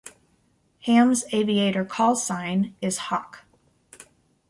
Ham's aviator call sign is "Hock".